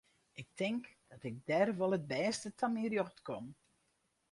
Ik tink dat ik dêr wol it bêste ta myn rjocht kom.